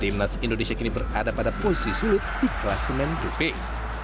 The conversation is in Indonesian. timnas indonesia kini berada pada posisi sulit di kelas men to pick